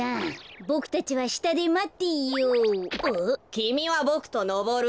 きみはボクとのぼるの。